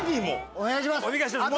お願いします！